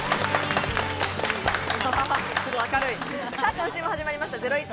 今週も始まりました『ゼロイチ』。